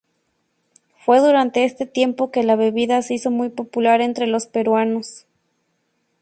Fue durante este tiempo que la bebida se hizo muy popular entre los peruanos.